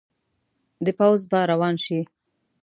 د پوځ به روان شي.